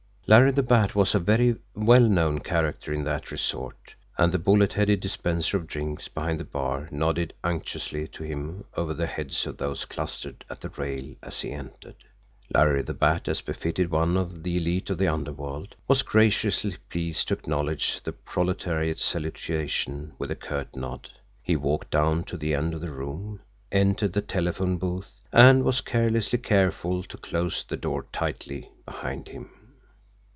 Larry the Bat was a very well known character in that resort, and the bullet headed dispenser of drinks behind the bar nodded unctuously to him over the heads of those clustered at the rail as he entered; Larry the Bat, as befitted one of the elite of the underworld, was graciously pleased to acknowledge the proletariat salutation with a curt nod. He walked down to the end of the room, entered the telephone booth and was carelessly careful to close the door tightly behind him.